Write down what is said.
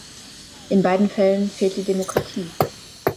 In beiden Fällen fehlt die Demokratie.